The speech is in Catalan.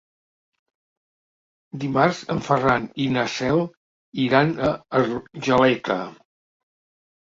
Dimarts en Ferran i na Cel iran a Argeleta.